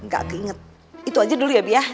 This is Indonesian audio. gak keinget itu aja dulu ya bi ya